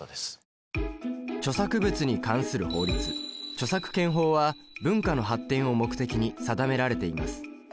著作物に関する法律著作権法は文化の発展を目的に定められています。